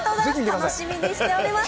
楽しみにしております。